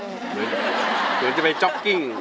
เหนือจะไปจ๊อคกิ้ง